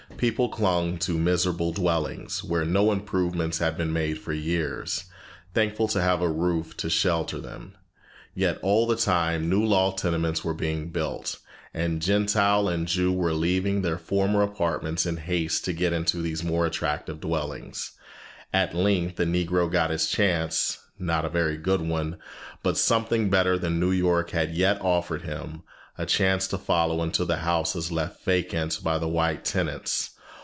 People clung to miserable dwellings, where no improvements had been made for years, thankful to have a roof to shelter them. Yet all the time new law tenements were being built, and Gentile and Jew were leaving their former apartments in haste to get into these more attractive dwellings. At length the Negro got his chance; not a very good one, but something better than New York had yet offered him a chance to follow into the houses left vacant by the white tenants.